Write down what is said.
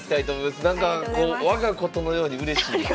なんか我がことのようにうれしいです。